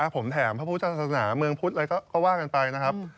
ผมแถมพระพุทธศาสนาเมืองพุทธอะไรก็ว่ากันไปนะครับ